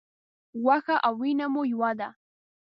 غوښه او وینه مو یوه ده.